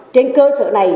trên cơ sở này